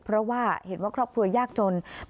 เพราะว่าเห็นว่าครอบครัวยากจน